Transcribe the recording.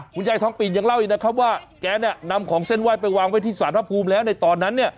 ยายทองปิ่นยังเล่าอีกนะครับว่าแกเนี่ยนำของเส้นไหว้ไปวางไว้ที่สารพระภูมิแล้วในตอนนั้นเนี่ย